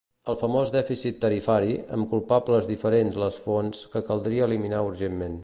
El famós dèficit tarifari -amb culpables diferents les fonts- que caldria eliminar urgentment.